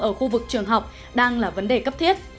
ở khu vực trường học đang là vấn đề cấp thiết